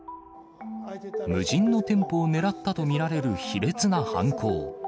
無人の店舗を狙ったと見られる卑劣な犯行。